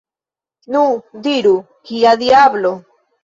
Nu, diru, kia diablo?